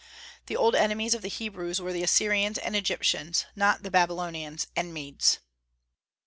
The old enemies of the Hebrews were the Assyrians and Egyptians, not the Babylonians and Medes.